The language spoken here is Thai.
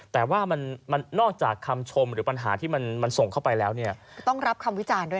แต่ว่ามันนอกจากคำชมหรือปัญหาที่มันส่งเข้าไปแล้วเนี่ยต้องรับคำวิจารณ์ด้วย